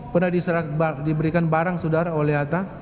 pernah diberikan barang saudara oleh atta